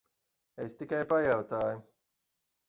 Es tikai pajautāju.